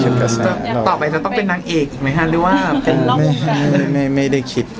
ต่อไปนายจะต้องเป็นนางเอกหรือนังไหร่ครับ